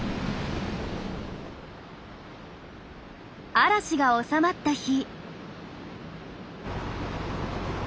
嵐が収まった日。